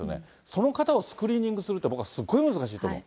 その方をスクリーニングするって、僕はすっごい難しいと思う。